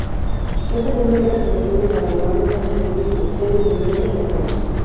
Cuenta con representación en balonmano, atletismo, tenis de mesa y lacrosse.